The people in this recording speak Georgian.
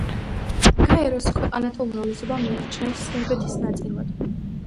გაერო-ს ქვეყანათა უმრავლესობა მიიჩნევს სერბეთის ნაწილად.